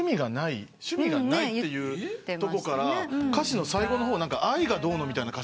趣味がないってとこから歌詞の最後の方愛がどうのみたいな。